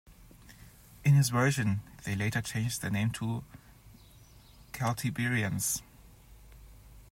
In his version, they later changed their name to 'Celtiberians'.